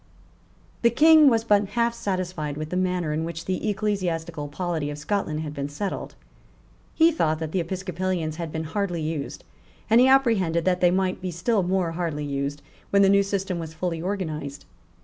The King was but half satisfied with the manner in which the ecclesiastical polity of Scotland had been settled. He thought that the Episcopalians had been hardly used; and he apprehended that they might be still more hardly used when the new system was fully organized.